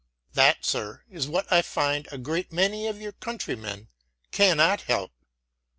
.." That, sir, is what I find a great many of your countrymen cannot help."